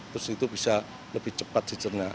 terus itu bisa lebih cepat dicerna